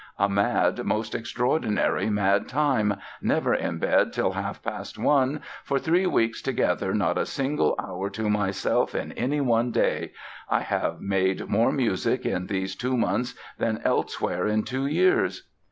"A mad, most extraordinary mad time ... never in bed till half past one ... for three weeks together not a single hour to myself in any one day ... I have made more music in these two months than elsewhere in two years".